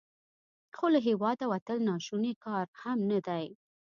خو له هیواده وتل ناشوني کار هم نه دی.